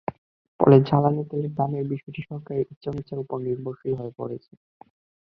ফলে জ্বালানি তেলের দামের বিষয়টি সরকারের ইচ্ছা-অনিচ্ছার ওপর নির্ভরশীল হয়ে পড়েছে।